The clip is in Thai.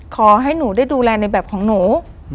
ขอให้หนูได้ดูแลในแบบของหนู